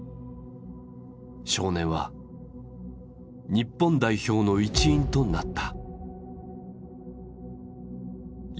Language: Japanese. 少年は日本代表の一員となった。